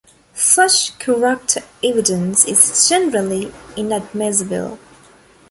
Such character evidence is generally inadmissible.